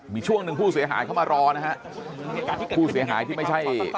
มีช่วงหนึ่งผู้เสียหายเข้ามารอนะฮะผู้เสียหายที่ไม่ใช่